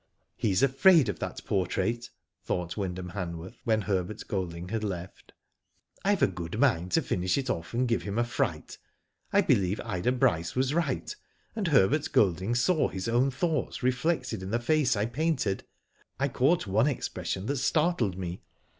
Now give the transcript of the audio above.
* "He's afraid of that portrait," thought Wynd ham Han worth, when Herbert Golding had left. '* I've a good mind to finish it off and give him a fright. I believe Ida Bryce was right, and Herbert Golding saw his own thoughts reflected in the face I painted. I caught one expression that startled me.